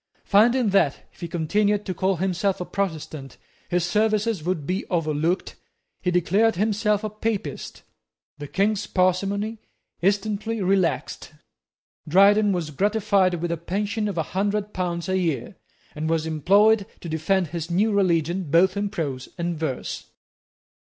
Finding that, if he continued to call himself a Protestant, his services would be overlooked, he declared himself a Papist. The King's parsimony instantly relaxed. Dryden was gratified with a pension of a hundred pounds a year, and was employed to defend his new religion both in prose and verse.